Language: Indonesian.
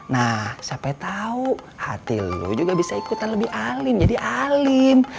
nah sampai tau hati lu juga bisa ikutan lebih alim jadi alim